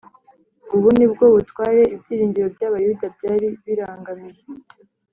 . Ubu nibwo butware ibyiringiro by’Abayuda byari birangamiye